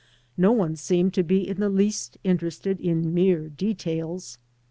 No one seemed to be in the least interested in mere details.